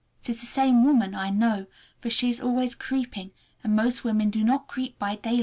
It is the same woman, I know, for she is always creeping, and most women do not creep by daylight.